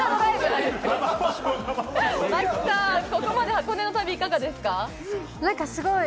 真木さん、ここまで箱根の旅いかがですか？